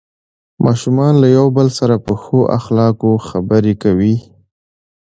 ماشومان له یو بل سره په ښو اخلاقو خبرې کوي